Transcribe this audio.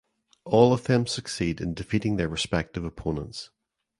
All of them succeed in defeating their respective opponents.